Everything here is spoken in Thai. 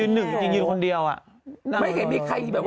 หนึ่งจริงคนเดียวอ่ะ